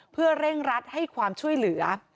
เพื่อเร่งรัดให้ความช่วยเหลือ